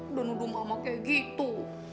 udah nuduh mama kayak gitu